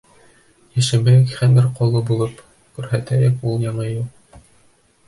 Йәшәмәйек хәмер ҡоло булып, Күрһәтһен ул яңы юл.